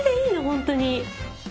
本当に。